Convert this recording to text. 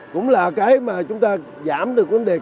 cũng là cái mà chúng ta giảm được cái năng lượng